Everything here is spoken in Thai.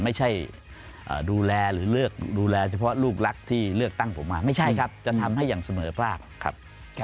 ไม่ใช่ดูแลหรือเลือกดูแลเฉพาะลูกรักที่เลือกตั้งผมมาไม่ใช่ครับจะทำให้อย่างเสมอภาคครับ